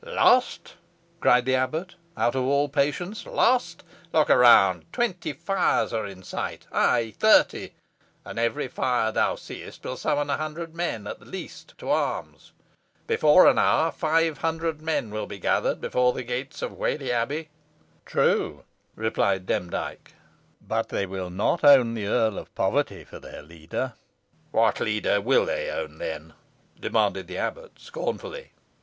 "Lost!" cried the abbot, out of all patience. "Lost! Look around. Twenty fires are in sight ay, thirty, and every fire thou seest will summon a hundred men, at the least, to arms. Before an hour, five hundred men will be gathered before the gates of Whalley Abbey." "True," replied Demdike; "but they will not own the Earl of Poverty for their leader." "What leader will they own, then?" demanded the abbot, scornfully.